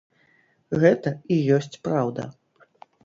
Гэта і ёсць праўда.